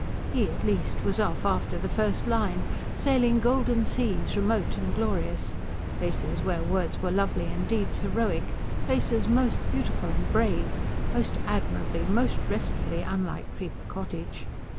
He, at least, was off after the first line, sailing golden seas remote and glorious, places where words were lovely and deeds heroic, places most beautiful and brave, most admirably, most restfully unlike Creeper Cottage.